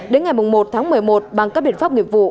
đến ngày một tháng một mươi một bằng các biện pháp nghiệp vụ